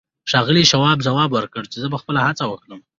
ښاغلي شواب ځواب ورکړ چې زه به خپله هڅه وکړم.